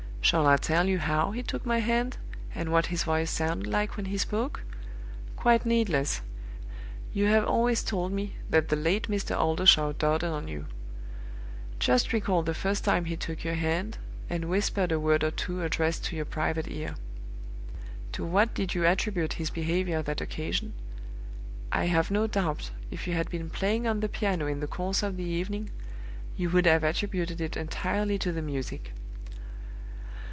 Shall I tell you how he took my hand, and what his voice sounded like when he spoke? Quite needless! You have always told me that the late Mr. Oldershaw doted on you. Just recall the first time he took your hand, and whispered a word or two addressed to your private ear. To what did you attribute his behavior that occasion? I have no doubt, if you had been playing on the piano in the course of the evening, you would have attributed it entirely to the music!